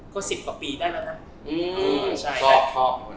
ก็๑๐กว่าปีได้แล้วนะ